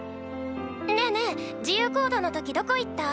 ねえねえ自由行動の時どこ行った？